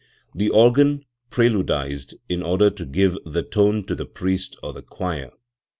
The organ preluclised in order to give the tone to the priest, or the choir.